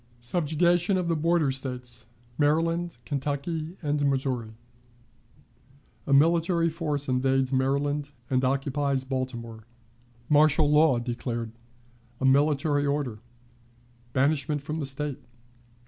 Subjugation of the Border States, Maryland, Kentucky, and Missouri. A Military Force invades Maryland and occupies Baltimore. Martial Law declared. A Military Order. Banishment from the State.